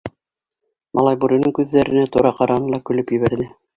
Малай бүренең күҙҙәренә тура ҡараны ла көлөп ебәрҙе.